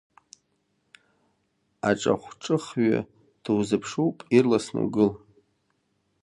Аҿахәҿыхҩы дузыԥшуп, ирласны угыл!